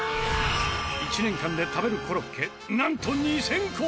１年間で食べるコロッケなんと２０００個！